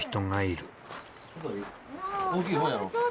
大きい方やろ？